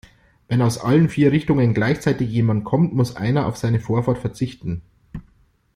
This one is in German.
Wenn aus allen vier Richtungen gleichzeitig jemand kommt, muss einer auf seine Vorfahrt verzichten.